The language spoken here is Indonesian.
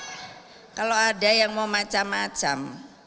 kalau ada yang mau macam macam